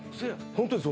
ホントです